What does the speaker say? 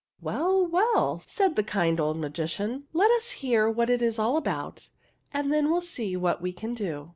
"Well, well," said the kind old magician, " let us hear what it is all about, and then we'll see what we can do."